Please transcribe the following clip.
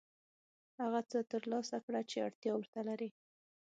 هغه څه ترلاسه کړه چې اړتیا ورته لرې.